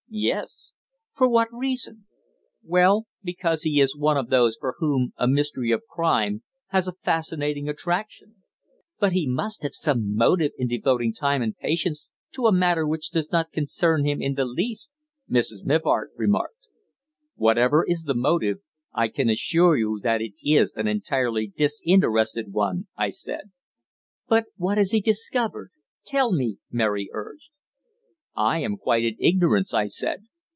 "Yes." "For what reason?" "Well because he is one of those for whom a mystery of crime has a fascinating attraction." "But he must have some motive in devoting time and patience to a matter which does not concern him in the least," Mrs. Mivart remarked. "Whatever is the motive, I can assure you that it is an entirely disinterested one," I said. "But what has he discovered? Tell me," Mary urged. "I am quite in ignorance," I said.